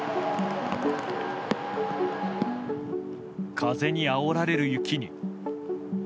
風にあおられる雪に。